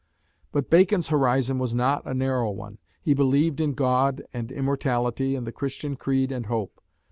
But Bacon's horizon was not a narrow one. He believed in God and immortality and the Christian creed and hope.